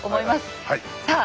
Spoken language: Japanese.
さあ